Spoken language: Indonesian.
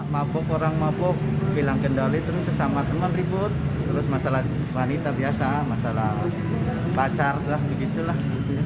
mabuk orang mabuk bilang kendali terus sesama teman ribut terus masalah wanita biasa masalah pacar lah begitulah